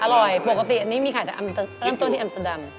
อร่อยปกติอันนี้มีขายที่อัมตดำ